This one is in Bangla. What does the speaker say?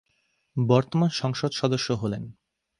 বর্তমান সংসদ সদস্য হলেন।